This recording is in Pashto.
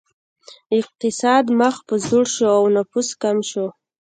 اقتصاد مخ په ځوړ شو او نفوس کم شو.